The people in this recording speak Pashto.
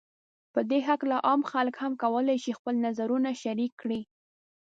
په دې هکله عام خلک هم کولای شي خپل نظرونو شریک کړي